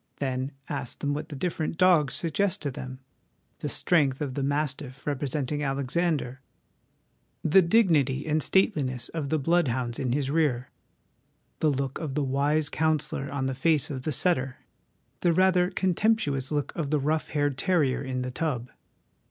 Then ask them what the different dogs suggest to them : the strength of the mastiff representing Alexander; the dignity and stateliness of the blood hounds in his rear ; the look of the wise counsellor on the face of the setter ; the rather contemptuous look of the rough haired terrier in the tub.